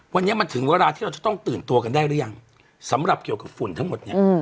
วันนี้มันถึงเวลาที่เราจะต้องตื่นตัวกันได้หรือยังสำหรับเกี่ยวกับฝุ่นทั้งหมดเนี่ย